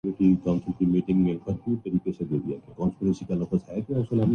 Pakistan cricket board نے نئے coach کی تلاش تیز کر دی